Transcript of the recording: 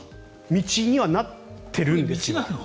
道にはなっているんですよ。